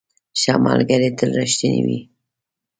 ښه ملګري تل رښتیني وي.